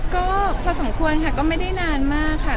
ก็พอสมควรค่ะก็ไม่ได้นานมากค่ะ